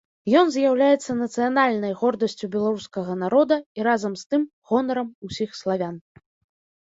Ён з'яўляецца нацыянальнай гордасцю беларускага народа і разам з тым гонарам ўсіх славян.